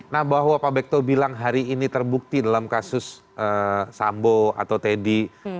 nah bahwa pak bekto bilang hari ini terbukti dalam kasus sambo atau teddy